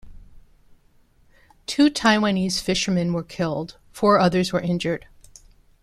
Two Taiwanese fishermen were killed; four others were injured.